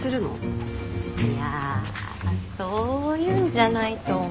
いやそういうんじゃないと思う。